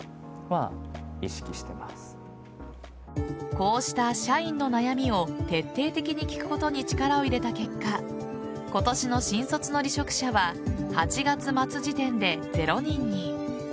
こうした社員の悩みを徹底的に聞くことに力を入れた結果今年の新卒の離職者は８月末時点で０人に。